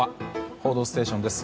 「報道ステーション」です。